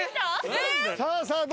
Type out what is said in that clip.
さあさあ